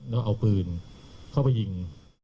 แล้วเอาปืนเข้าไปยิง